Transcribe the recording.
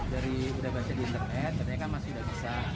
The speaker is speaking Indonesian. dari udah baca di internet katanya kan masih udah bisa